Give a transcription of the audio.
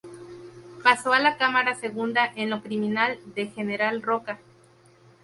Pasó a la Cámara Segunda en lo Criminal de General Roca.